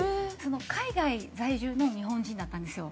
海外在住の日本人だったんですよ。